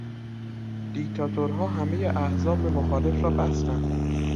دیکتاتورها همهی احزاب مخالف را بستند.